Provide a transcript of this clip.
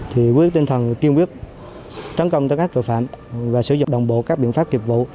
thì quyết tinh thần kiên quyết trấn công tới các tội phạm và sử dụng đồng bộ các biện pháp kiệp vụ